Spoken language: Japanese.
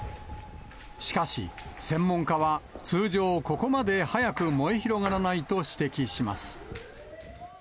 しかし、専門家は通常、ここまで早く燃え広がらないと指摘します。